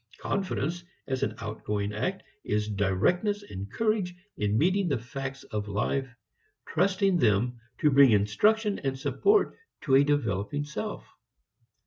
Confidence as an outgoing act is directness and courage in meeting the facts of life, trusting them to bring instruction and support to a developing self.